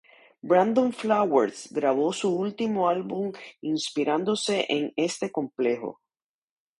Brandon Flowers grabó su último álbum inspirándose en este complejo.